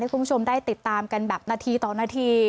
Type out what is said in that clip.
คุณผู้ชมได้ติดตามกันแบบนาทีต่อนาที